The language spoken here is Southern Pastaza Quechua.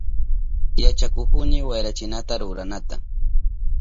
Yachakuhuni wayrachinata ruranata.